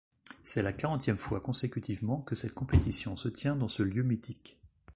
C'est la quarantième fois consécutivement que cette compétition se tient dans ce lieu mythique.